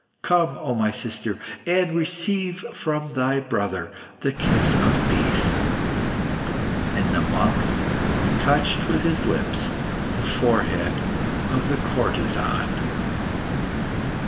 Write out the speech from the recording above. Come, O my sister, and receive from thy brother the kiss of peace." And the monk touched with his lips the forehead of the courtesan.